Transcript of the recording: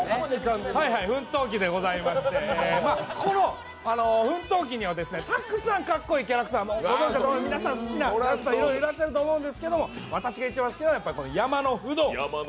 はい、奮闘記でございましてこの奮闘記にはたくさんかっこいいキャラクターも皆さん好きな、いろいろいらっしゃると思うんですけど私が一番好きなのはこの山のフドウ。